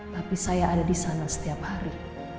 tapi saya ada di sana setiap hari